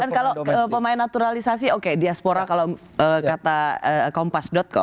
dan kalau pemain naturalisasi oke diaspora kalau kata kompas com